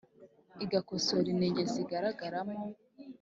igakosora inenge zigaragaramo